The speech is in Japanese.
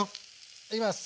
いきます！